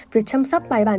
việc chăm sóc bài bản